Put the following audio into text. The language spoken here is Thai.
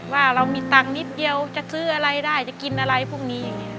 ว่าเรามีตังค์นิดเดียวจะซื้ออะไรได้จะกินอะไรพวกนี้อย่างนี้